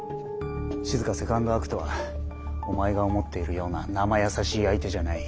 しずかセカンドアクトはお前が思っているようななまやさしい相手じゃない。